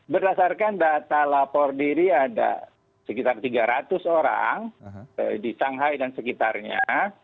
berdasarkan data lapor diri ada sekitar tiga ratus orang di shanghai dan sekitarnya